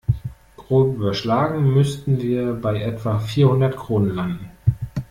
Grob überschlagen müssten wir bei etwa vierhundert Kronen landen.